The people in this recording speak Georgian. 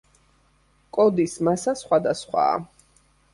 კოდის მასა სხვადასხვაა.